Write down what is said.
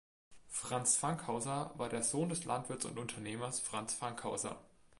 Franz Fankhauser war der Sohn des Landwirts und Unternehmers Franz Fankhauser.